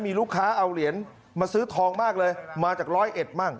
มีลูกค้าเอาเหรียญมาซื้อทองมากเลยมาจากร้อยเอ็ดมั่ง